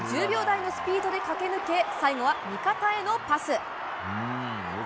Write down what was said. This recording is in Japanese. １００ｍ１０秒台のスピードで駆け抜け、最後は味方へのパス。